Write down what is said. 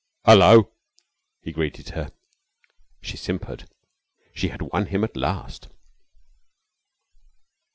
"'Ullo!" he greeted her. She simpered. She had won him at last.